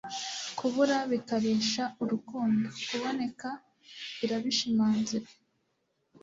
kubura bikarisha urukundo, kuboneka birabishimangira